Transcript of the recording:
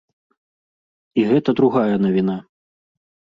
І гэта другая навіна.